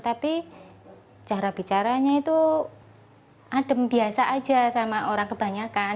tapi cara bicaranya itu adem biasa aja sama orang kebanyakan